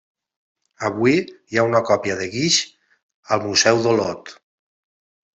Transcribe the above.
Avui n'hi ha una còpia de guix al museu d'Olot.